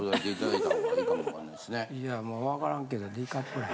いやもうわからんけどＤカップぐらい？